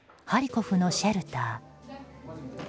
ハリコフのシェルター。